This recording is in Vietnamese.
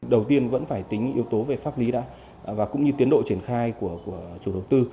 đầu tiên vẫn phải tính yếu tố về pháp lý đã và cũng như tiến độ triển khai của chủ đầu tư